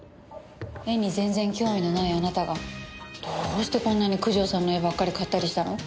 絵に全然興味のないあなたがどうしてこんなに九条さんの絵ばっかり買ったりしたの？